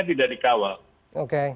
tidak dikawal oke